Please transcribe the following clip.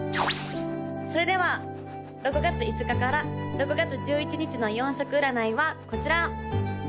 ・それでは６月５日から６月１１日の４色占いはこちら！